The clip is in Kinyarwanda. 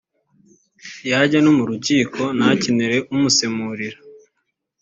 yajya no mu rukiko ntakenere umusemurira